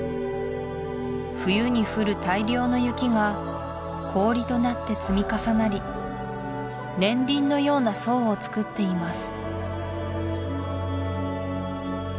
冬に降る大量の雪が氷となって積み重なり年輪のような層をつくっています